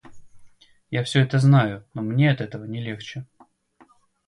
Я всё это знаю, но мне от этого не легче.